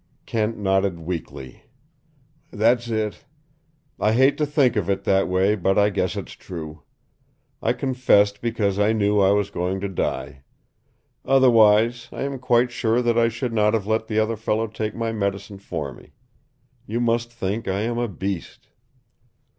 Kent nodded weakly. "That's it. I hate to think of it that way, but I guess it's true. I confessed because I knew I was going to die. Otherwise I am quite sure that I should have let the other fellow take my medicine for me. You must think I am a beast."